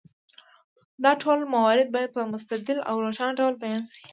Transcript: دا ټول موارد باید په مستدل او روښانه ډول بیان شي.